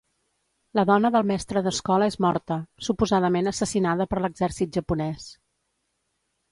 La dona del mestre d'escola és morta; suposadament assassinada per l'exèrcit japonès.